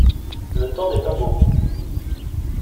Le temps n’est pas beau.